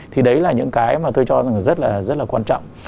thì đấy là những cái mà tôi cho rằng rất là rất là quan trọng